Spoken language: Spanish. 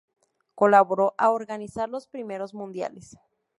Colaboró a organizar los primeros mundiales.